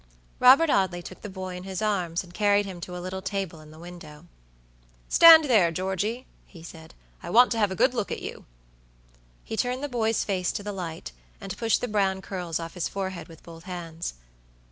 Robert Audley took the boy in his arms, and carried him to a little table in the window. "Stand there, Georgey," he said, "I want to have a good look at you." He turned the boy's face to the light, and pushed the brown curls off his forehead with both hands.